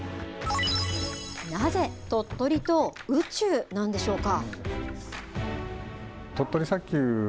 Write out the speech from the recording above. なぜ鳥取と宇宙なんでしょうか。